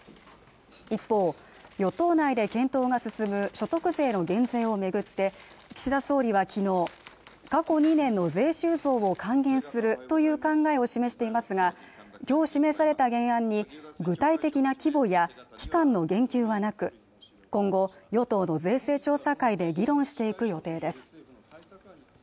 一方与党内で検討が進む所得税の減税を巡って岸田総理は昨日過去２年の税収増を還元するという考えを示していますがきょう示された原案に具体的な規模や期間の言及はなく今後与党の税制調査会で議論していく予定です